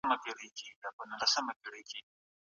آیا په نوي تعلیمي نظام کي د کانکور ازموینه سته؟